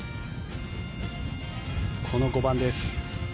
この５番です。